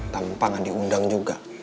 tanpa enggak diundang juga